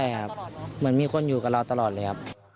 ใช่ครับเหมือนมีคนอยู่กับเราตลอดเลยครับ